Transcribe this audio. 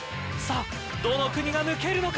どの国が抜けるのか。